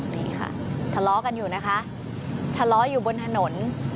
นี่ค่ะทะเลาะกันอยู่นะคะทะเลาะอยู่บนถนน